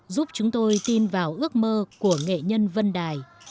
giúp chúng tôi tin vào ước mơ của nghệ nhân vân đài